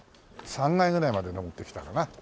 ３階くらいまで上ってきたかな？